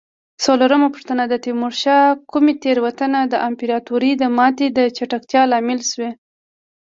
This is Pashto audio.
څلورمه پوښتنه: د تیمورشاه کومې تېروتنه د امپراتورۍ د ماتې د چټکتیا لامل شوې؟